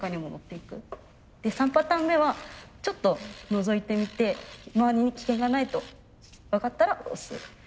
３パターン目はちょっとのぞいてみて周りに危険がないと分かったら押す。